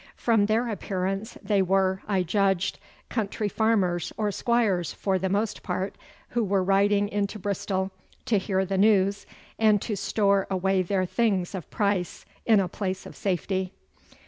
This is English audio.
From their appearance they were, I judged, country farmers or squires for the most part, who were riding into Bristol to hear the news, and to store away their things of price in a place of safety.